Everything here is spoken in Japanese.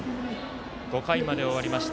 ５回まで終わりました。